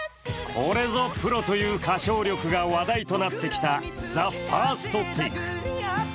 これぞプロという歌唱力が話題となってきた「ＴＨＥＦＩＲＳＴＴＡＫＥ」。